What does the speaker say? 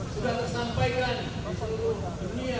sudah tersampaikan ke seluruh dunia